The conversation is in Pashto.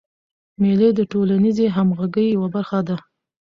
مېلې د ټولنیزي همږغۍ یوه برخه ده.